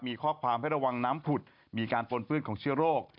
มีข้อความให้ระวังน้ำผุดมีการปนเปื้อนของเชื้อโรค